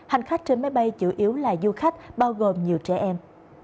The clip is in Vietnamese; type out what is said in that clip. hành khách trên máy bay chủ yếu là du khách bao gồm nhiều trẻ em